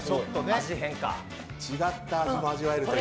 違った味も味わえるという。